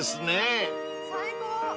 最高！